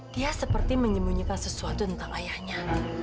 dia seperti menyembunyikan sesuatu tentang ayahnya